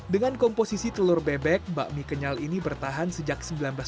dengan komposisi telur bebek bakmi kenyal ini bertahan sejak seribu sembilan ratus sembilan puluh